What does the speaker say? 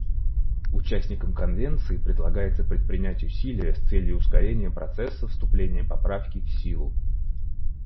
Участникам Конвенции предлагается предпринять усилия с целью ускорения процесса вступления Поправки в силу.